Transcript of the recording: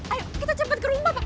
ayo kita cepat ke rumah bapak